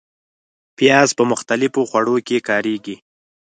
پیاز په مختلفو خوړو کې کارېږي